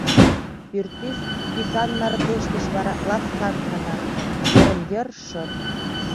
Пӱртӱс тӱтан мардеж деч вара ласкан кана. йырым-йыр шып.